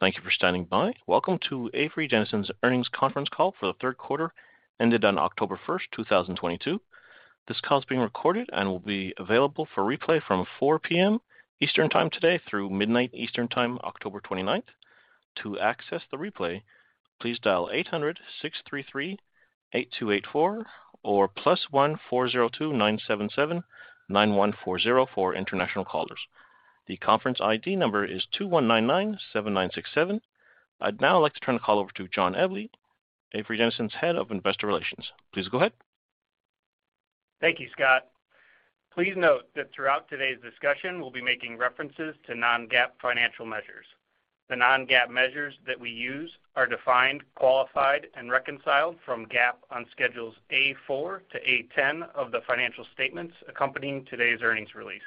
Thank you for standing by. Welcome to Avery Dennison's earnings conference call for the third quarter ended on October 1, 2022. This call is being recorded and will be available for replay from 4:00 P.M. Eastern time today through midnight Eastern time, October 29. To access the replay, please dial 800-633-8284 or +1-402-977-9140 for international callers. The conference ID number is 21997967. I'd now like to turn the call over to John Eble, Avery Dennison's Head of Investor Relations. Please go ahead. Thank you, Scott. Please note that throughout today's discussion, we'll be making references to non-GAAP financial measures. The non-GAAP measures that we use are defined, qualified, and reconciled from GAAP on Schedules A.4 to A.10 of the financial statements accompanying today's earnings release.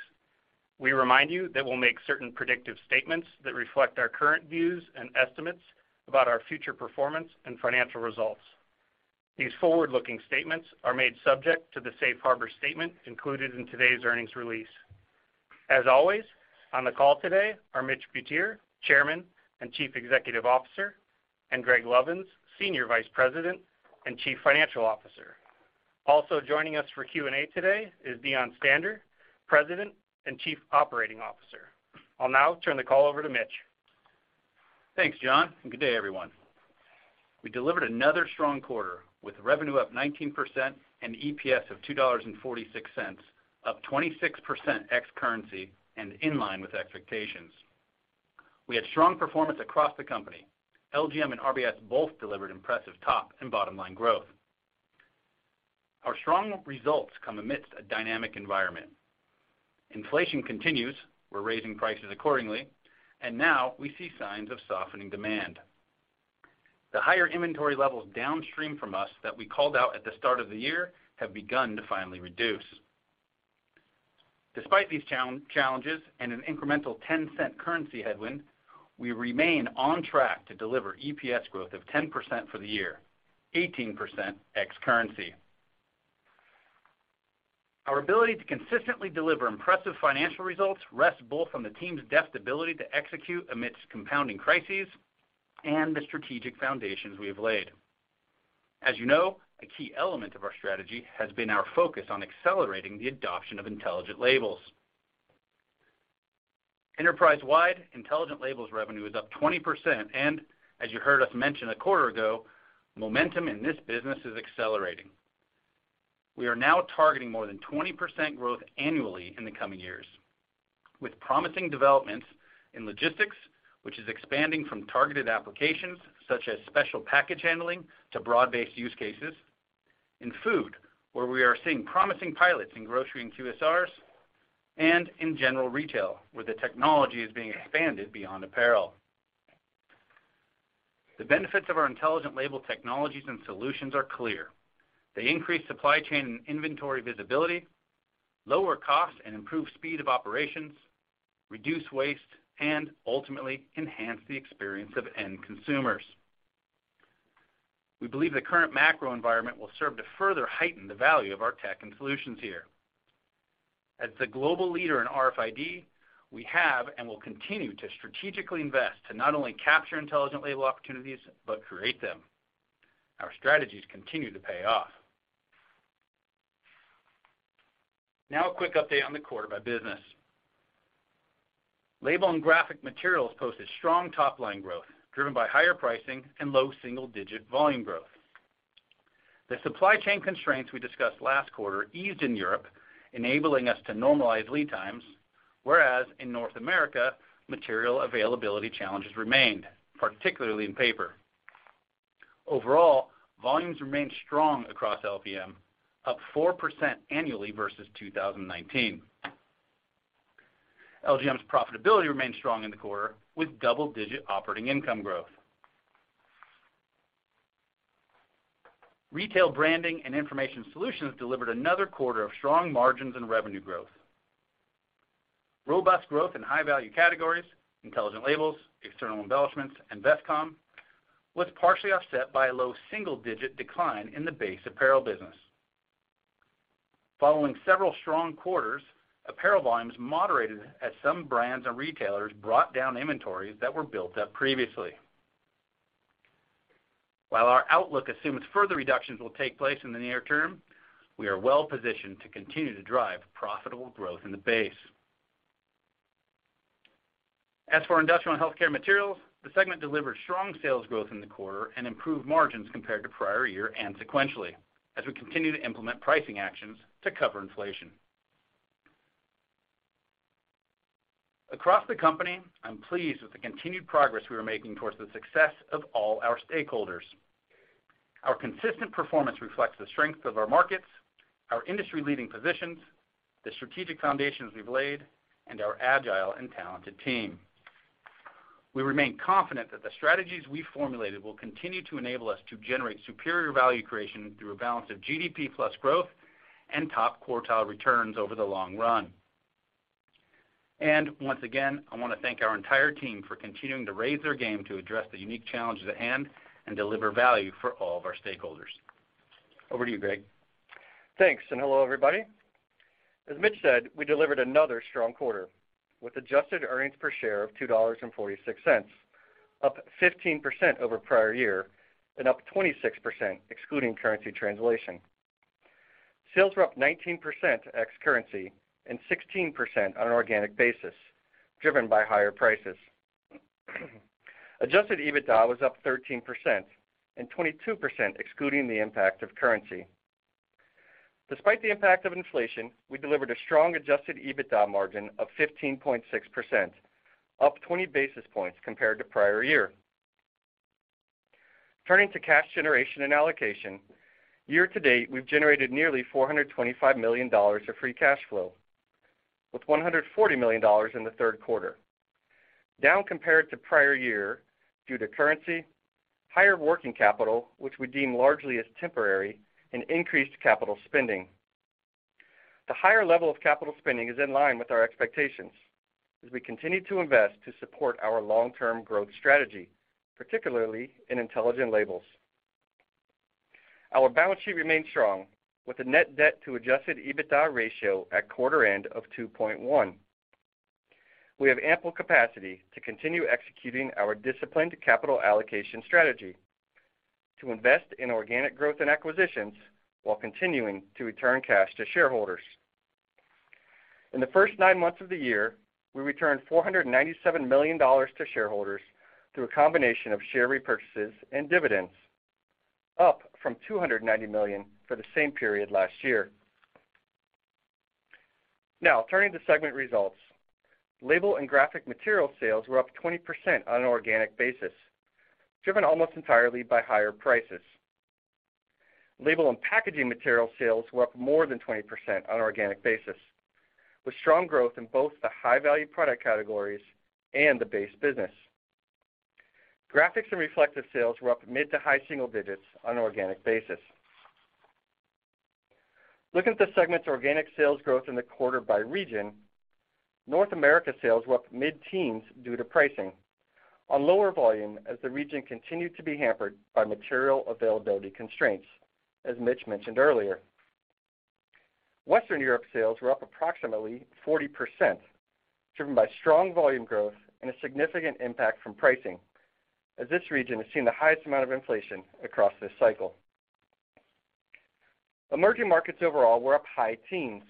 We remind you that we'll make certain predictive statements that reflect our current views and estimates about our future performance and financial results. These forward-looking statements are made subject to the safe harbor statement included in today's earnings release. As always, on the call today are Mitch Butier, Chairman and Chief Executive Officer, and Greg Lovins, Senior Vice President and Chief Financial Officer. Also joining us for Q&A today is Deon Stander, President and Chief Operating Officer. I'll now turn the call over to Mitch. Thanks, John, and good day, everyone. We delivered another strong quarter with revenue up 19% and EPS of $2.46, up 26% ex-currency and in line with expectations. We had strong performance across the company. LGM and RBIS both delivered impressive top and bottom-line growth. Our strong results come amidst a dynamic environment. Inflation continues, we're raising prices accordingly, and now we see signs of softening demand. The higher inventory levels downstream from us that we called out at the start of the year have begun to finally reduce. Despite these challenges and an incremental $0.10 currency headwind, we remain on track to deliver EPS growth of 10% for the year, 18% ex-currency. Our ability to consistently deliver impressive financial results rests both on the team's deft ability to execute amidst compounding crises and the strategic foundations we have laid. As you know, a key element of our strategy has been our focus on accelerating the adoption of Intelligent Labels. Enterprise-wide, Intelligent Labels revenue is up 20%, and as you heard us mention a quarter ago, momentum in this business is accelerating. We are now targeting more than 20% growth annually in the coming years with promising developments in logistics, which is expanding from targeted applications such as special package handling to broad-based use cases, in food, where we are seeing promising pilots in grocery and QSRs, and in general retail, where the technology is being expanded beyond apparel. The benefits of our Intelligent Labels technologies and solutions are clear. They increase supply chain and inventory visibility, lower cost and improve speed of operations, reduce waste, and ultimately enhance the experience of end consumers. We believe the current macro environment will serve to further heighten the value of our tech and solutions here. As the global leader in RFID, we have and will continue to strategically invest to not only capture intelligent label opportunities but create them. Our strategies continue to pay off. Now a quick update on the quarter by business. Label and Graphic Materials posted strong top-line growth, driven by higher pricing and low single-digit volume growth. The supply chain constraints we discussed last quarter eased in Europe, enabling us to normalize lead times, whereas in North America, material availability challenges remained, particularly in paper. Overall, volumes remained strong across LPM, up 4% annually versus 2019. LGM's profitability remained strong in the quarter with double-digit operating income growth. Retail Branding and Information Solutions delivered another quarter of strong margins and revenue growth. Robust growth in high-value categories, Intelligent Labels, external embellishments, and Vestcom was partially offset by a low single-digit decline in the base apparel business. Following several strong quarters, apparel volumes moderated as some brands and retailers brought down inventories that were built up previously. While our outlook assumes further reductions will take place in the near term, we are well positioned to continue to drive profitable growth in the base. As for Industrial and Healthcare Materials, the segment delivered strong sales growth in the quarter and improved margins compared to prior year and sequentially as we continue to implement pricing actions to cover inflation. Across the company, I'm pleased with the continued progress we are making towards the success of all our stakeholders. Our consistent performance reflects the strength of our markets, our industry-leading positions, the strategic foundations we've laid, and our agile and talented team. We remain confident that the strategies we formulated will continue to enable us to generate superior value creation through a balance of GDP plus growth and top quartile returns over the long run. Once again, I want to thank our entire team for continuing to raise their game to address the unique challenges at hand and deliver value for all of our stakeholders. Over to you, Greg. Thanks, and hello, everybody. As Mitch said, we delivered another strong quarter with adjusted earnings per share of $2.46, up 15% over prior year and up 26% excluding currency translation. Sales were up 19% ex-currency and 16% on an organic basis, driven by higher prices. Adjusted EBITDA was up 13% and 22% excluding the impact of currency. Despite the impact of inflation, we delivered a strong Adjusted EBITDA margin of 15.6%, up 20 basis points compared to prior year. Turning to cash generation and allocation. Year to date, we've generated nearly $425 million of free cash flow, with $140 million in the third quarter, down compared to prior year due to currency, higher working capital, which we deem largely as temporary, and increased capital spending. The higher level of capital spending is in line with our expectations as we continue to invest to support our long-term growth strategy, particularly in Intelligent Labels. Our balance sheet remains strong with a net debt to Adjusted EBITDA ratio at quarter end of 2.1. We have ample capacity to continue executing our disciplined capital allocation strategy to invest in organic growth and acquisitions while continuing to return cash to shareholders. In the first nine months of the year, we returned $497 million to shareholders through a combination of share repurchases and dividends, up from $290 million for the same period last year. Now, turning to segment results. Label and Graphic Materials sales were up 20% on an organic basis, driven almost entirely by higher prices. Label and Packaging Materials sales were up more than 20% on an organic basis, with strong growth in both the high-value product categories and the base business. Graphics and Reflective Solutions sales were up mid to high single digits on an organic basis. Looking at the segment's organic sales growth in the quarter by region, North America sales were up mid-teens due to pricing on lower volume as the region continued to be hampered by material availability constraints, as Mitch mentioned earlier. Western Europe sales were up approximately 40%, driven by strong volume growth and a significant impact from pricing, as this region has seen the highest amount of inflation across this cycle. Emerging markets overall were up high teens.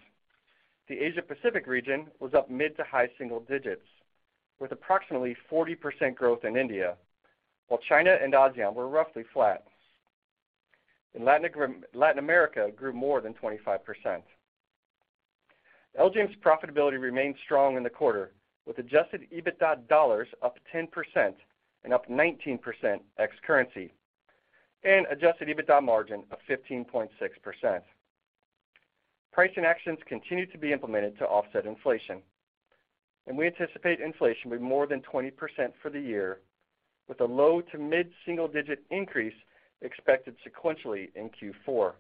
The Asia Pacific region was up mid to high single digits, with approximately 40% growth in India, while China and ASEAN were roughly flat, and Latin America grew more than 25%. LGM's profitability remained strong in the quarter, with Adjusted EBITDA dollars up 10% and up 19% ex-currency, and Adjusted EBITDA margin of 15.6%. Pricing actions continue to be implemented to offset inflation, and we anticipate inflation to be more than 20% for the year, with a low to mid-single digit increase expected sequentially in Q4,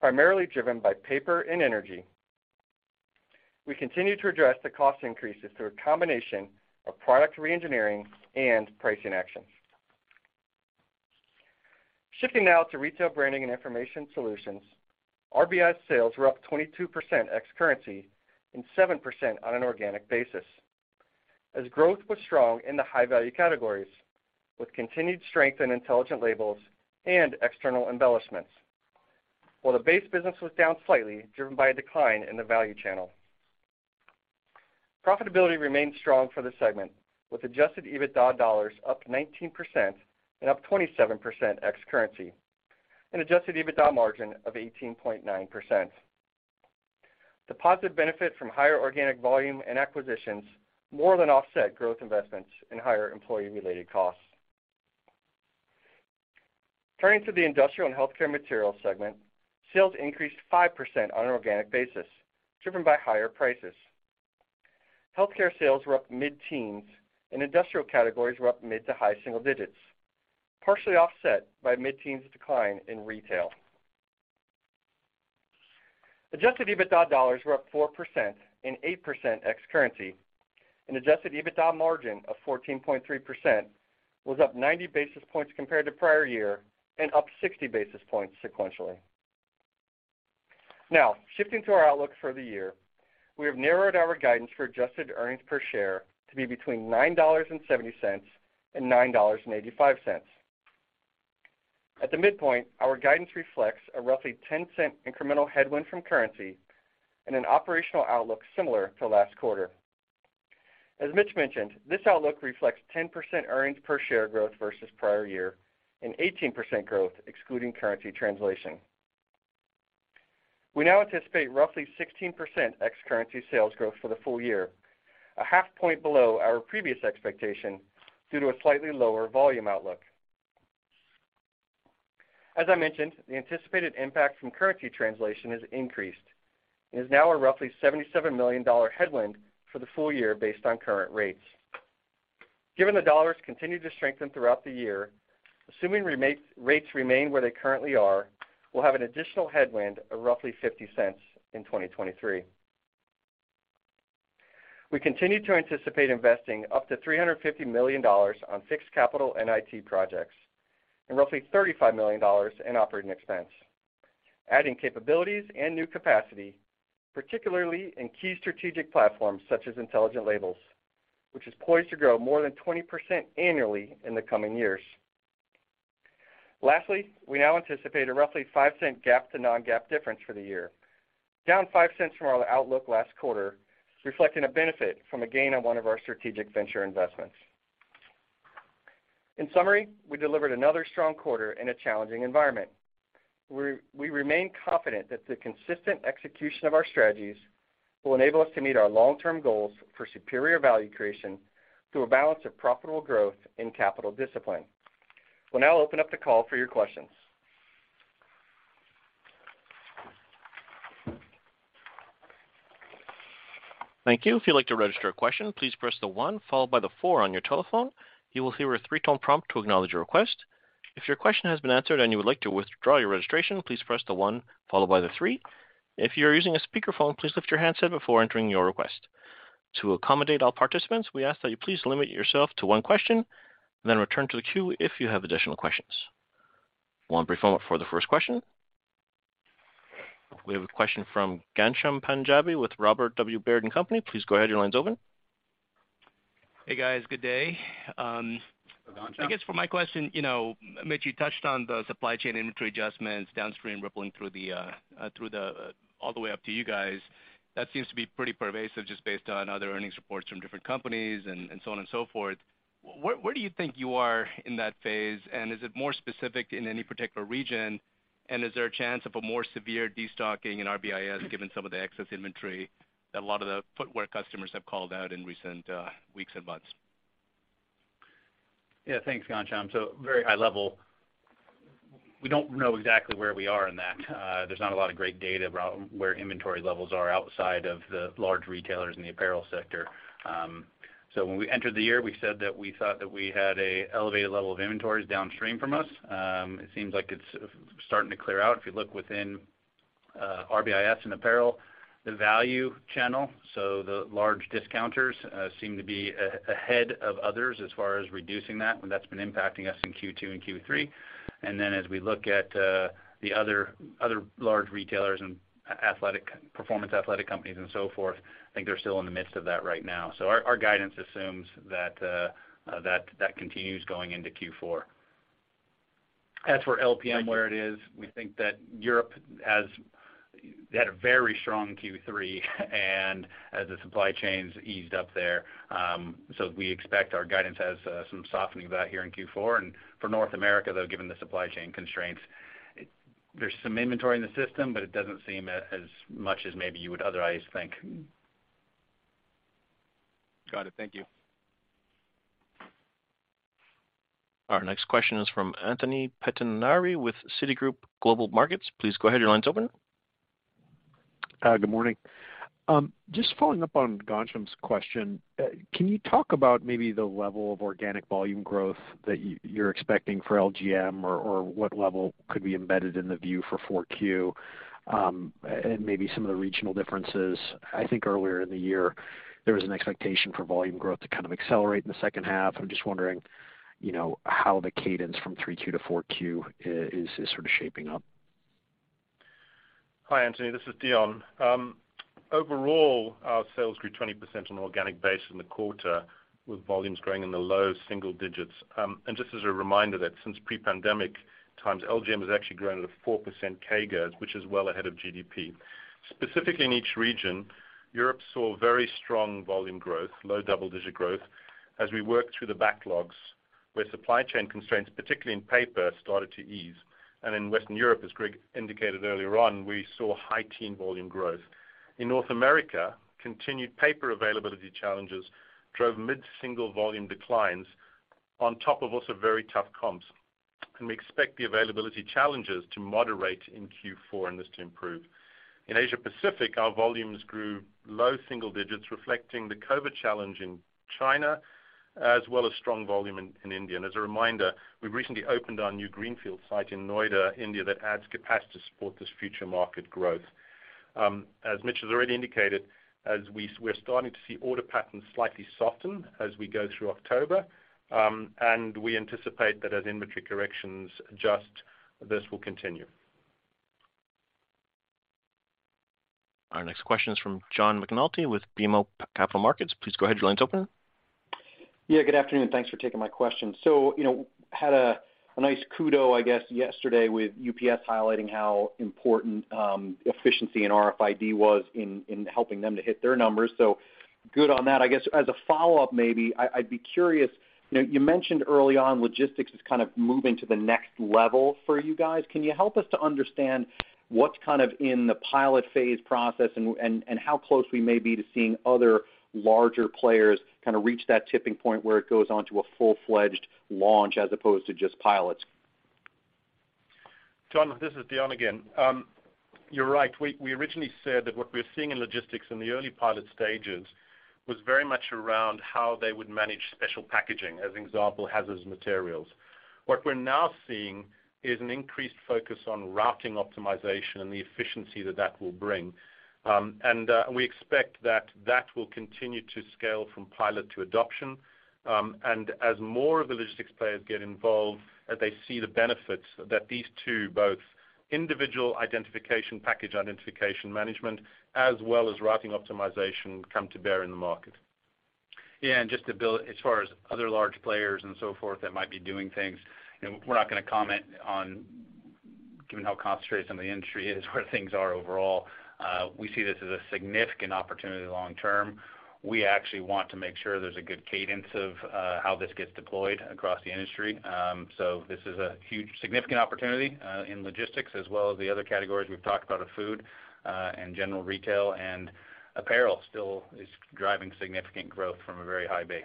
primarily driven by paper and energy. We continue to address the cost increases through a combination of product re-engineering and pricing actions. Shifting now to Retail Branding and Information Solutions. RBIS's sales were up 22% ex-currency and 7% on an organic basis as growth was strong in the high-value categories with continued strength in Intelligent Labels and external embellishments, while the base business was down slightly, driven by a decline in the value channel. Profitability remained strong for the segment, with Adjusted EBITDA dollars up 19% and up 27% ex-currency, and Adjusted EBITDA margin of 18.9%. The positive benefit from higher organic volume and acquisitions more than offset growth investments and higher employee-related costs. Turning to the Industrial and Healthcare Materials segment, sales increased 5% on an organic basis, driven by higher prices. Healthcare sales were up mid-teens and industrial categories were up mid to high single digits, partially offset by a mid-teens decline in retail. Adjusted EBITDA dollars were up 4% and 8% ex-currency, and Adjusted EBITDA margin of 14.3% was up 90 basis points compared to prior year and up 60 basis points sequentially. Now, shifting to our outlook for the year. We have narrowed our guidance for adjusted earnings per share to be between $9.70 and $9.85. At the midpoint, our guidance reflects a roughly $0.10 incremental headwind from currency and an operational outlook similar to last quarter. As Mitch mentioned, this outlook reflects 10% earnings per share growth versus prior year and 18% growth excluding currency translation. We now anticipate roughly 16% ex-currency sales growth for the full year, a half point below our previous expectation, due to a slightly lower volume outlook. As I mentioned, the anticipated impact from currency translation has increased and is now a roughly $77 million headwind for the full year based on current rates. Given the dollar has continued to strengthen throughout the year, assuming rates remain where they currently are, we'll have an additional headwind of roughly $0.50 in 2023. We continue to anticipate investing up to $350 million on fixed capital and IT projects and roughly $35 million in operating expense, adding capabilities and new capacity, particularly in key strategic platforms such as Intelligent Labels, which is poised to grow more than 20% annually in the coming years. Lastly, we now anticipate a roughly $0.05 GAAP to non-GAAP difference for the year, down $0.05 from our outlook last quarter, reflecting a benefit from a gain on one of our strategic venture investments. In summary, we delivered another strong quarter in a challenging environment. We remain confident that the consistent execution of our strategies will enable us to meet our long-term goals for superior value creation through a balance of profitable growth and capital discipline. We'll now open up the call for your questions. Thank you. If you'd like to register a question, please press the 1 followed by the 4 on your telephone. You will hear a three-tone prompt to acknowledge your request. If your question has been answered and you would like to withdraw your registration, please press the 1 followed by the 3. If you're using a speakerphone, please lift your handset before entering your request. To accommodate all participants, we ask that you please limit yourself to one question, then return to the queue if you have additional questions. One brief moment for the first question. We have a question from Ghansham Panjabi with Robert W. Baird & Co. Incorporated. Please go ahead. Your line's open. Hey, guys, good day. Ghansham. I guess for my question, you know, Mitch, you touched on the supply chain inventory adjustments downstream rippling through the all the way up to you guys. That seems to be pretty pervasive just based on other earnings reports from different companies and so on and so forth. Where do you think you are in that phase, and is it more specific in any particular region, and is there a chance of a more severe destocking in RBIS given some of the excess inventory that a lot of the footwear customers have called out in recent weeks and months? Yeah. Thanks, Ghansham. Very high level, we don't know exactly where we are in that. There's not a lot of great data about where inventory levels are outside of the large retailers in the apparel sector. When we entered the year, we said that we thought that we had an elevated level of inventories downstream from us. It seems like it's starting to clear out. If you look within RBIS and apparel, the value channel, so the large discounters seem to be ahead of others as far as reducing that, and that's been impacting us in Q2 and Q3. Then as we look at the other large retailers and athletic performance athletic companies and so forth, I think they're still in the midst of that right now. Our guidance assumes that that continues going into Q4. As for LPM, where it is, we think that Europe has. They had a very strong Q3 and as the supply chains eased up there, we expect our guidance has some softening of that here in Q4. For North America, though, given the supply chain constraints, there's some inventory in the system, but it doesn't seem as much as maybe you would otherwise think. Got it. Thank you. Our next question is from Anthony Pettinari with Citigroup Global Markets. Please go ahead. Your line's open. Good morning. Just following up on Ghansham's question, can you talk about maybe the level of organic volume growth that you're expecting for LGM or what level could be embedded in the view for Q4, and maybe some of the regional differences? I think earlier in the year, there was an expectation for volume growth to kind of accelerate in the second half. I'm just wondering, you know, how the cadence from Q3 to Q4 is sort of shaping up. Hi, Anthony. This is Deon. Overall, our sales grew 20% on an organic basis in the quarter with volumes growing in the low single digits. Just as a reminder that since pre-pandemic times, LGM has actually grown at a 4% CAGR, which is well ahead of GDP. Specifically in each region, Europe saw very strong volume growth, low double-digit growth, as we worked through the backlogs where supply chain constraints, particularly in paper, started to ease. In Western Europe, as Greg indicated earlier on, we saw high teen volume growth. In North America, continued paper availability challenges drove mid-single volume declines on top of also very tough comps. We expect the availability challenges to moderate in Q4 and this to improve. In Asia Pacific, our volumes grew low single digits reflecting the COVID challenge in China as well as strong volume in India. As a reminder, we recently opened our new greenfield site in Noida, India, that adds capacity to support this future market growth. As Mitch has already indicated, we're starting to see order patterns slightly soften as we go through October, and we anticipate that as inventory corrections adjust, this will continue. Our next question is from John McNulty with BMO Capital Markets. Please go ahead. Your line's open. Yeah, good afternoon. Thanks for taking my question. You know, had a nice kudos, I guess, yesterday with UPS highlighting how important efficiency and RFID was in helping them to hit their numbers. Good on that. I guess as a follow-up, maybe I'd be curious. You know, you mentioned early on logistics is kind of moving to the next level for you guys. Can you help us to understand what's kind of in the pilot phase process and how close we may be to seeing other larger players kind of reach that tipping point where it goes onto a full-fledged launch as opposed to just pilots? John, this is Deon again. You're right. We originally said that what we're seeing in logistics in the early pilot stages was very much around how they would manage special packaging, as an example, hazardous materials. What we're now seeing is an increased focus on routing optimization and the efficiency that will bring. We expect that will continue to scale from pilot to adoption. As more of the logistics players get involved, as they see the benefits that these two, both individual identification, package identification management, as well as routing optimization come to bear in the market. Yeah. Just to build as far as other large players and so forth that might be doing things, you know, we're not gonna comment on given how concentrated some of the industry is, where things are overall. We see this as a significant opportunity long term. We actually want to make sure there's a good cadence of how this gets deployed across the industry. This is a huge significant opportunity in logistics as well as the other categories we've talked about of food and general retail, and apparel still is driving significant growth from a very high base.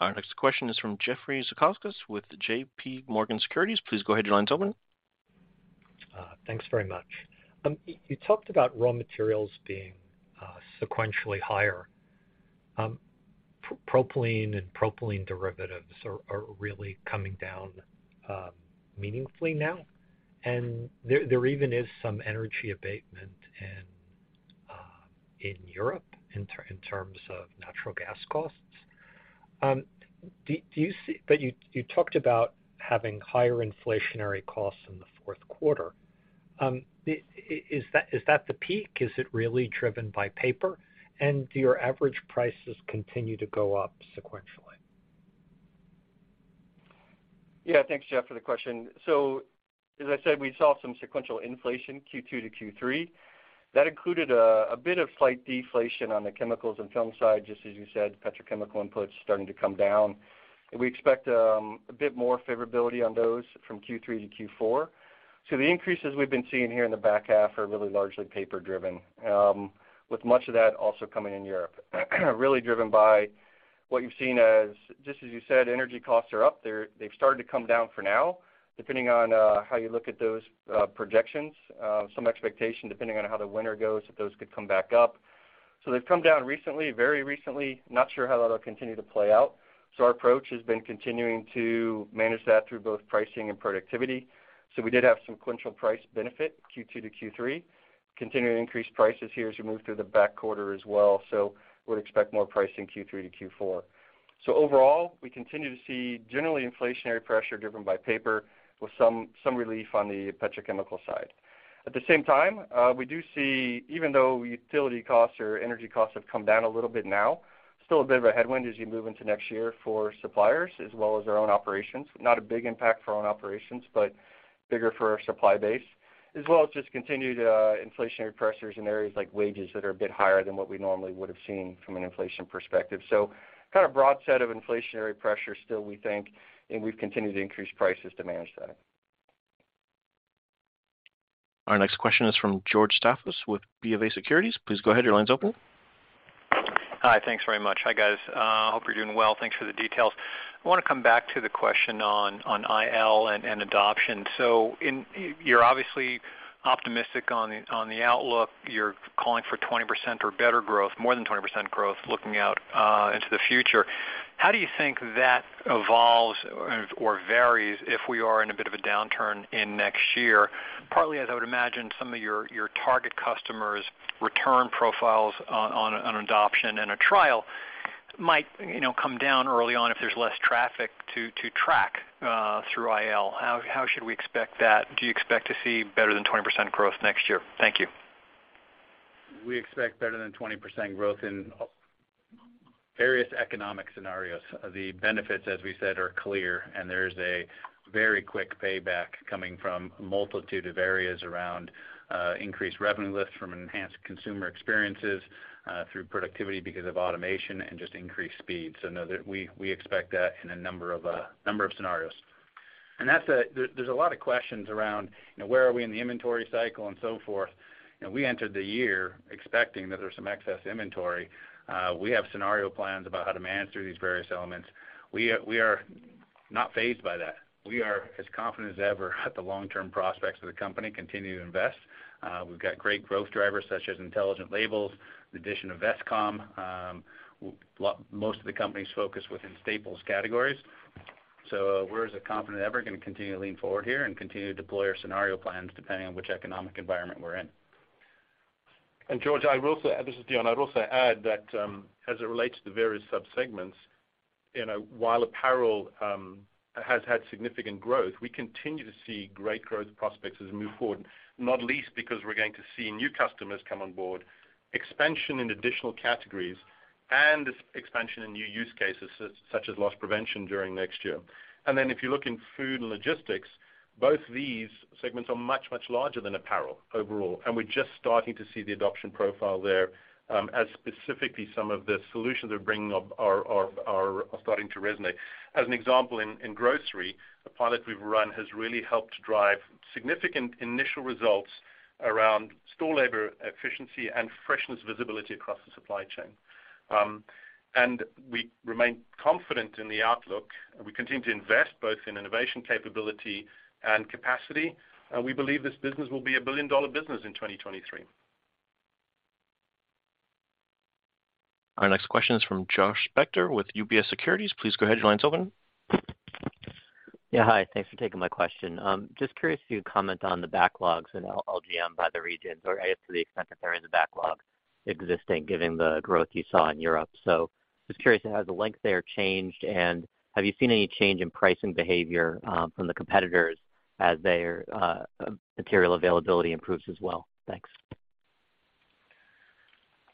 Our next question is from Jeffrey Zekauskas with J.P. Morgan Securities. Please go ahead, your line's open. Thanks very much. You talked about raw materials being sequentially higher. Propylene and propylene derivatives are really coming down meaningfully now, and there even is some energy abatement in Europe in terms of natural gas costs. You talked about having higher inflationary costs in the fourth quarter. Is that the peak? Is it really driven by paper? Do your average prices continue to go up sequentially? Yeah. Thanks, Jeff, for the question. As I said, we saw some sequential inflation, Q2 to Q3. That included a bit of slight deflation on the chemicals and film side, just as you said, petrochemical inputs starting to come down. We expect a bit more favorability on those from Q3 to Q4. The increases we've been seeing here in the back half are really largely paper driven, with much of that also coming in Europe, really driven by what you've seen as, just as you said, energy costs are up. They've started to come down for now, depending on how you look at those projections, some expectation, depending on how the winter goes, that those could come back up. They've come down recently, very recently. Not sure how that'll continue to play out. Our approach has been continuing to manage that through both pricing and productivity. We did have some sequential price benefit, Q2 to Q3, continuing to increase prices here as we move through the back quarter as well. We'll expect more price in Q3 to Q4. Overall, we continue to see generally inflationary pressure driven by paper with some relief on the petrochemical side. At the same time, we do see, even though utility costs or energy costs have come down a little bit now, still a bit of a headwind as you move into next year for suppliers as well as our own operations. Not a big impact for our own operations, but bigger for our supply base, as well as just continued inflationary pressures in areas like wages that are a bit higher than what we normally would have seen from an inflation perspective. Kind of broad set of inflationary pressure still, we think, and we've continued to increase prices to manage that. Our next question is from George Staphos with BofA Securities. Please go ahead, your line's open. Hi. Thanks very much. Hi, guys. Hope you're doing well. Thanks for the details. I wanna come back to the question on IL and adoption. You're obviously optimistic on the outlook. You're calling for 20% or better growth, more than 20% growth looking out into the future. How do you think that evolves or varies if we are in a bit of a downturn next year? Partly, as I would imagine, some of your target customers' return profiles on adoption and a trial might, you know, come down early on if there's less traffic to track through IL. How should we expect that? Do you expect to see better than 20% growth next year? Thank you. We expect better than 20% growth in various economic scenarios. The benefits, as we said, are clear, and there's a very quick payback coming from a multitude of areas around increased revenue lifts from enhanced consumer experiences through productivity because of automation and just increased speed. Know that we expect that in a number of scenarios. There's a lot of questions around, you know, where are we in the inventory cycle and so forth. You know, we entered the year expecting that there's some excess inventory. We have scenario plans about how to manage through these various elements. We are not fazed by that. We are as confident as ever in the long-term prospects of the company, continue to invest. We've got great growth drivers such as Intelligent Labels, the addition of Vestcom, most of the company's focus within staples categories. We're as confident as ever, gonna continue to lean forward here and continue to deploy our scenario plans depending on which economic environment we're in. George, I will also add, this is Deon, I'd also add that, as it relates to the various subsegments, you know, while Apparel has had significant growth, we continue to see great growth prospects as we move forward, not least because we're going to see new customers come on board, expansion in additional categories, and expansion in new use cases, such as loss prevention during next year. If you look in Food and Logistics, both these segments are much, much larger than Apparel overall, and we're just starting to see the adoption profile there, as specifically some of the solutions we're bringing up are starting to resonate. As an example, in grocery, the pilot we've run has really helped drive significant initial results around store labor efficiency and freshness visibility across the supply chain. We remain confident in the outlook. We continue to invest both in innovation capability and capacity. We believe this business will be a billion-dollar business in 2023. Our next question is from Joshua Spector with UBS Securities. Please go ahead. Your line is open. Yeah. Hi. Thanks for taking my question. Just curious if you could comment on the backlogs in LGM by the regions, or I guess to the extent that there is a backlog existing given the growth you saw in Europe. Just curious, has the length there changed, and have you seen any change in pricing behavior from the competitors as their material availability improves as well? Thanks.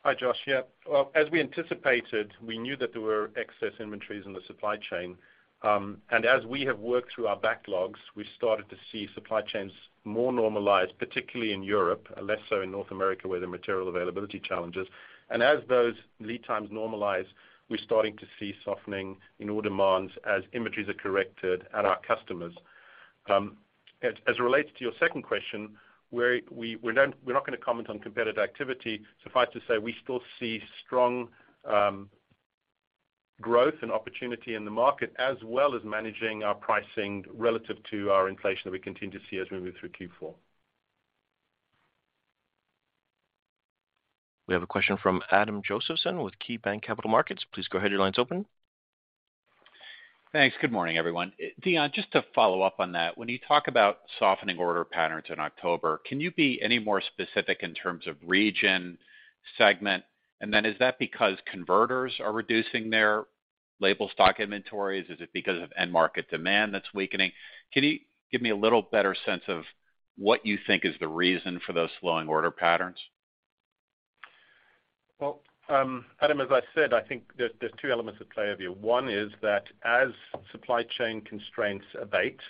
Hi, Joshua. Yeah. Well, as we anticipated, we knew that there were excess inventories in the supply chain. As we have worked through our backlogs, we started to see supply chains more normalized, particularly in Europe, less so in North America, where the material availability challenges. As those lead times normalize, we're starting to see softening in order demands as inventories are corrected at our customers. As it relates to your second question, we're not gonna comment on competitive activity. Suffice to say, we still see strong growth and opportunity in the market, as well as managing our pricing relative to our inflation that we continue to see as we move through Q4. We have a question from Adam Josephson with KeyBanc Capital Markets. Please go ahead. Your line's open. Thanks. Good morning, everyone. Deon, just to follow up on that, when you talk about softening order patterns in October, can you be any more specific in terms of region, segment? Is that because converters are reducing their label stock inventories? Is it because of end market demand that's weakening? Can you give me a little better sense of what you think is the reason for those slowing order patterns? Well, Adam, as I said, I think there's two elements at play here. One is that as supply chain constraints abate,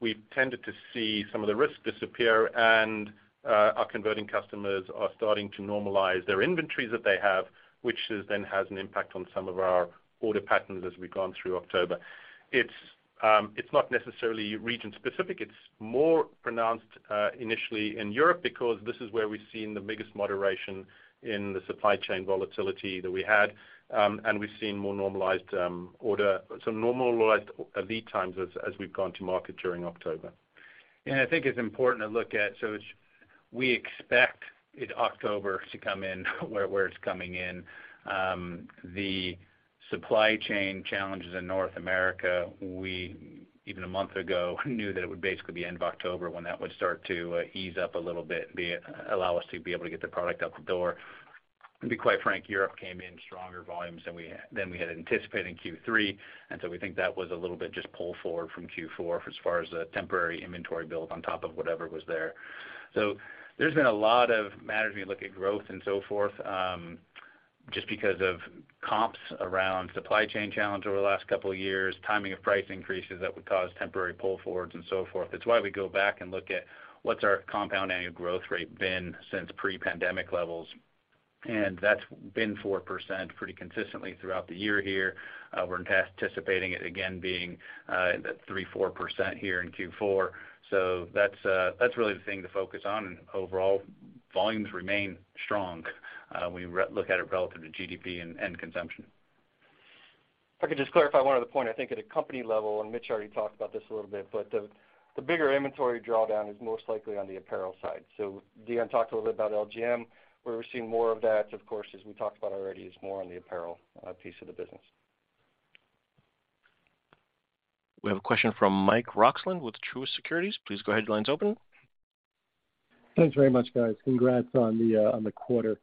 we've tended to see some of the risks disappear, and our converting customers are starting to normalize their inventories that they have, which then has an impact on some of our order patterns as we've gone through October. It's not necessarily region-specific. It's more pronounced initially in Europe because this is where we've seen the biggest moderation in the supply chain volatility that we had, and we've seen more normalized lead times as we've gone to market during October. I think it's important to look at. We expect in October to come in where it's coming in. The supply chain challenges in North America, we even a month ago knew that it would basically be the end of October when that would start to ease up a little bit, allow us to be able to get the product out the door. To be quite frank, Europe came in with stronger volumes than we had anticipated in Q3, and so we think that was a little bit just pull forward from Q4 as far as the temporary inventory build on top of whatever was there. There's been a lot of matters when you look at growth and so forth, just because of comps around supply chain challenge over the last couple of years, timing of price increases that would cause temporary pull forwards and so forth. It's why we go back and look at what's our compound annual growth rate been since pre-pandemic levels, and that's been 4% pretty consistently throughout the year here. We're anticipating it again being that 3%-4% here in Q4. That's really the thing to focus on. Overall volumes remain strong when you look at it relative to GDP and consumption. If I could just clarify one other point, I think at a company level, and Mitch already talked about this a little bit, but the bigger inventory drawdown is most likely on the apparel side. Deon talked a little bit about LGM, where we're seeing more of that, of course, as we talked about already, is more on the apparel piece of the business. We have a question from Mike Roxland with Truist Securities. Please go ahead. Your line's open. Thanks very much, guys. Congrats on the quarter.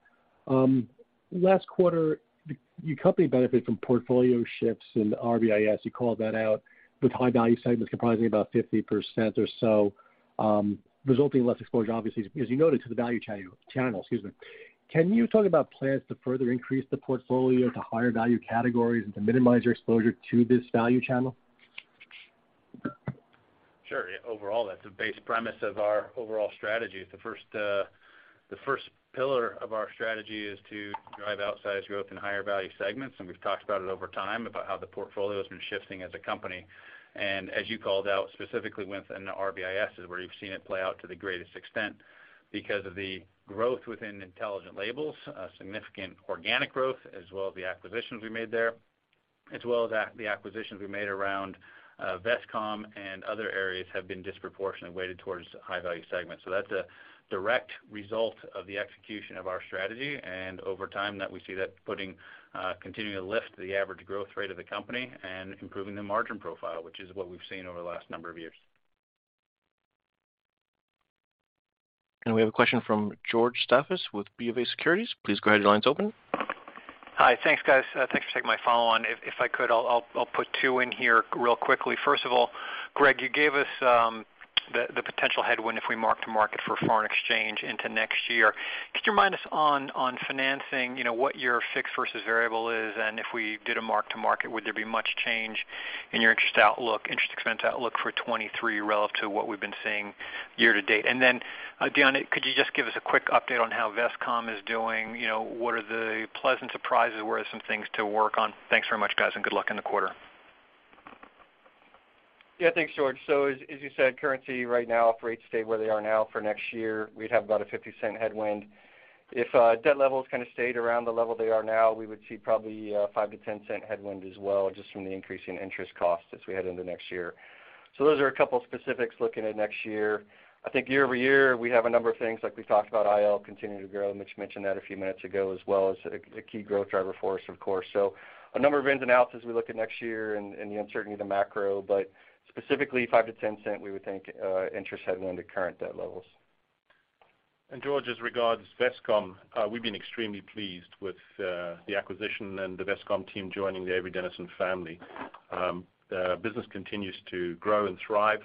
Last quarter, your company benefited from portfolio shifts in RBIS. You called that out with high value segments comprising about 50% or so, resulting in less exposure, obviously, as you noted, to the value channel. Excuse me. Can you talk about plans to further increase the portfolio to higher value categories and to minimize your exposure to this value channel? Sure. Yeah. Overall, that's a base premise of our overall strategy. The first pillar of our strategy is to drive outsized growth in higher value segments, and we've talked about it over time about how the portfolio has been shifting as a company. As you called out specifically within RBIS is where you've seen it play out to the greatest extent because of the growth within Intelligent Labels, significant organic growth, as well as the acquisitions we made there, as well as the acquisitions we made around Vestcom and other areas have been disproportionately weighted towards high value segments. That's a direct result of the execution of our strategy. Over time, that we see that putting continuing to lift the average growth rate of the company and improving the margin profile, which is what we've seen over the last number of years. We have a question from George Staphos with BofA Securities. Please go ahead. Your line's open. Hi. Thanks, guys. Thanks for taking my follow on. If I could, I'll put two in here real quickly. First of all, Greg, you gave us the potential headwind if we mark to market for foreign exchange into next year. Could you remind us on financing, you know, what your fixed versus variable is? And if we did a mark to market, would there be much change in your interest outlook, interest expense outlook for 2023 relative to what we've been seeing year to date? And then, Deon, could you just give us a quick update on how Vestcom is doing? You know, what are the pleasant surprises? What are some things to work on? Thanks very much, guys, and good luck in the quarter. Yeah, thanks, George. As you said, currency right now, if rates stay where they are now for next year, we'd have about a $0.50 headwind. If debt levels kinda stayed around the level they are now, we would see probably a $0.05-$0.10 headwind as well, just from the increase in interest costs as we head into next year. Those are a couple specifics looking at next year. I think year-over-year, we have a number of things like we talked about IL continuing to grow, Mitch mentioned that a few minutes ago as well as a key growth driver for us, of course. A number of ins and outs as we look at next year and the uncertainty of the macro, but specifically $0.05-$0.10, we would think, interest headwind at current debt levels. George, as regards Vestcom, we've been extremely pleased with the acquisition and the Vestcom team joining the Avery Dennison family. The business continues to grow and thrive,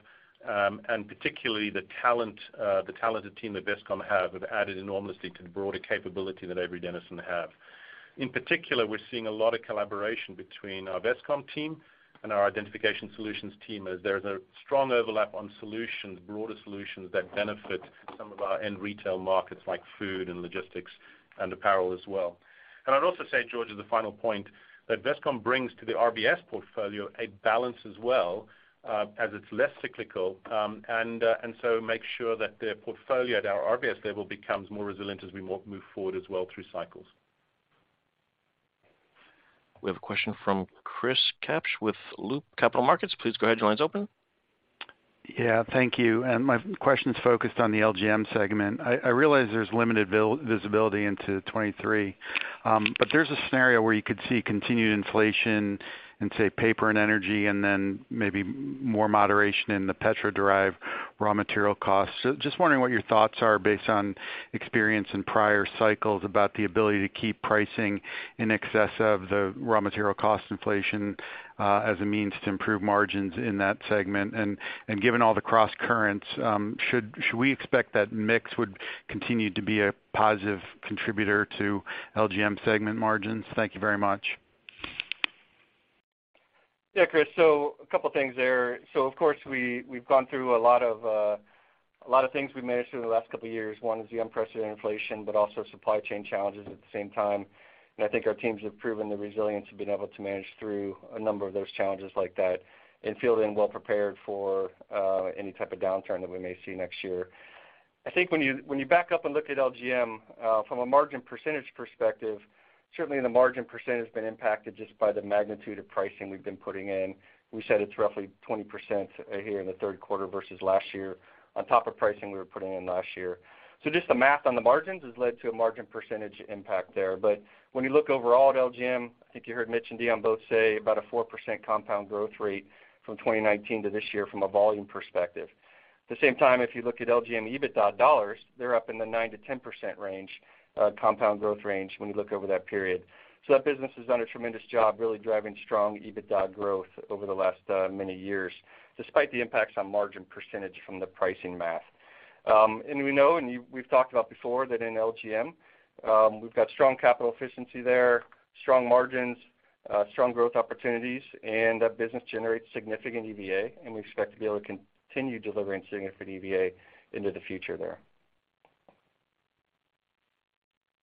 and particularly the talent, the talented team that Vestcom have added enormously to the broader capability that Avery Dennison have. In particular, we're seeing a lot of collaboration between our Vestcom team and our Identification Solutions team, as there's a strong overlap on solutions, broader solutions that benefit some of our end retail markets like Food and Logistics and Apparel as well. I'd also say, George, as a final point, that Vestcom brings to the RBIS portfolio a balance as well, as it's less cyclical, and so makes sure that the portfolio at our RBIS level becomes more resilient as we move forward as well through cycles. We have a question from Chris Kapsch with Loop Capital Markets. Please go ahead. Your line's open. Yeah, thank you, my question is focused on the LGM segment. I realize there's limited visibility into 2023, but there's a scenario where you could see continued inflation in, say, paper and energy, and then maybe more moderation in the petro-derived raw material costs. Just wondering what your thoughts are based on experience in prior cycles about the ability to keep pricing in excess of the raw material cost inflation, as a means to improve margins in that segment. Given all the crosscurrents, should we expect that mix would continue to be a positive contributor to LGM segment margins? Thank you very much. Yeah, Chris. A couple things there. Of course we've gone through a lot of things we've managed through the last couple years. One is the unprecedented inflation, but also supply chain challenges at the same time. I think our teams have proven the resilience of being able to manage through a number of those challenges like that and feeling well prepared for any type of downturn that we may see next year. I think when you back up and look at LGM from a margin percentage perspective, certainly the margin percent has been impacted just by the magnitude of pricing we've been putting in. We said it's roughly 20% here in the third quarter versus last year on top of pricing we were putting in last year. Just the math on the margins has led to a margin percentage impact there. When you look overall at LGM, I think you heard Mitch and Deon both say about a 4% compound growth rate from 2019 to this year from a volume perspective. At the same time, if you look at LGM EBITDA dollars, they're up in the 9%-10% range, compound growth range when you look over that period. That business has done a tremendous job really driving strong EBITDA growth over the last many years, despite the impacts on margin percentage from the pricing math. We know we've talked about before that in LGM, we've got strong capital efficiency there, strong margins, strong growth opportunities, and that business generates significant EVA, and we expect to be able to continue delivering significant EVA into the future there.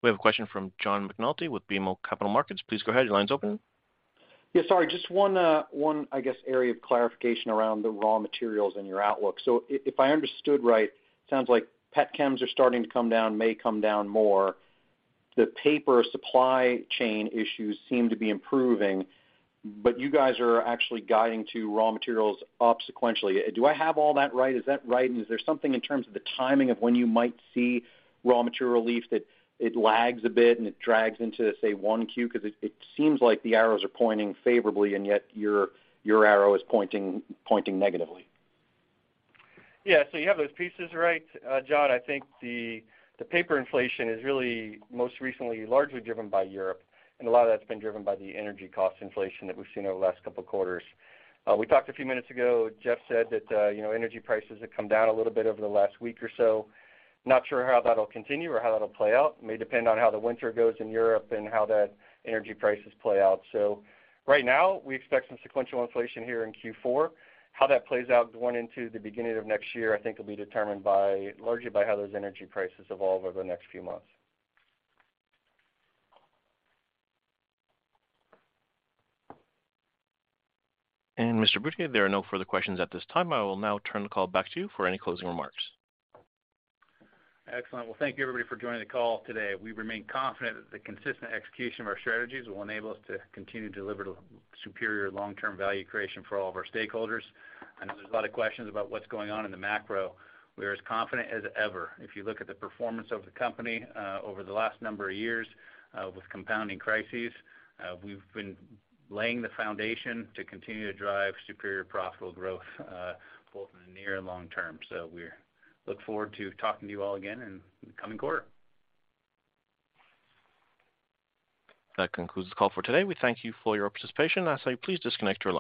We have a question from John McNulty with BMO Capital Markets. Please go ahead. Your line's open. Yeah, sorry, just one area of clarification around the raw materials and your outlook. So if I understood right, sounds like petchems are starting to come down, may come down more. The paper supply chain issues seem to be improving, but you guys are actually guiding to raw materials up sequentially. Do I have all that right? Is that right? Is there something in terms of the timing of when you might see raw material relief, that it lags a bit and it drags into, say, Q1? 'Cause it seems like the arrows are pointing favorably, and yet your arrow is pointing negatively. Yeah. You have those pieces right, John. I think the paper inflation is really most recently largely driven by Europe, and a lot of that's been driven by the energy cost inflation that we've seen over the last couple quarters. We talked a few minutes ago, Jeff said that, you know, energy prices have come down a little bit over the last week or so. Not sure how that'll continue or how that'll play out. It may depend on how the winter goes in Europe and how that energy prices play out. Right now, we expect some sequential inflation here in Q4. How that plays out going into the beginning of next year, I think will be determined largely by how those energy prices evolve over the next few months. Mr. Butier, there are no further questions at this time. I will now turn the call back to you for any closing remarks. Excellent. Well, thank you everybody for joining the call today. We remain confident that the consistent execution of our strategies will enable us to continue to deliver the superior long-term value creation for all of our stakeholders. I know there's a lot of questions about what's going on in the macro. We're as confident as ever. If you look at the performance of the company, over the last number of years, with compounding crises, we've been laying the foundation to continue to drive superior profitable growth, both in the near and long term. We look forward to talking to you all again in the coming quarter. That concludes the call for today. We thank you for your participation. I say please disconnect your lines.